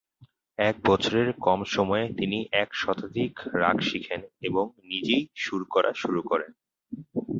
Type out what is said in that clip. এক বছরের কম সময়ে তিনি এক শতাধিক রাগ শিখেন এবং নিজেই সুর করা শুরু করেন।